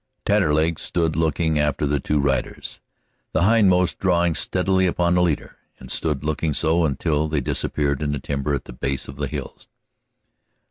Taterleg stood looking after the two riders, the hindmost drawing steadily upon the leader, and stood looking so until they disappeared in the timber at the base of the hills.